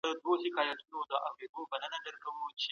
د پښتو ژبي رسمي کېدل باید درې سوه کاله مخکي